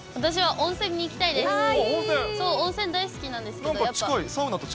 温泉大好きなんですけど。